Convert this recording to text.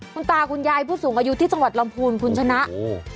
คุณตาคุณยายผู้สูงอายุที่จังหวัดลำพูนคุณชนะโอ้